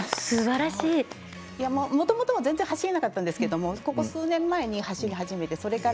もともと全然走れなかったんですが数年前走り始めて。